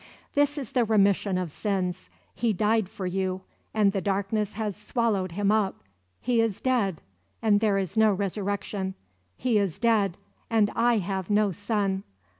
"This is the remission of sins. He died for you, and the darkness has swallowed him up; he is dead, and there is no resurrection; he is dead, and I have no son.